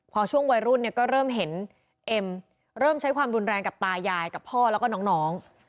พอช่วงวัยรุ่นเนี่ยก็เริ่มเห็นเอ็มเริ่มใช้ความรุนแรงกับตายายกับพ่อแล้วก็น้อง